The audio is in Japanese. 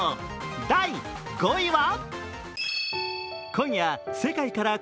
第５位は。